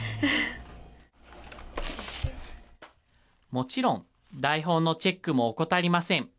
もちろん、台本のチェックも怠りません。